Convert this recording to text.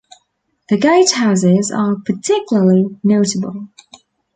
The gatehouses are particularly notable.